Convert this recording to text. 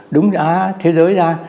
đúng giá thế giới ra